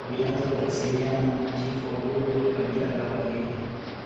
Alianza kuwasiliana na machifu wadogo wa kabila la Wahehe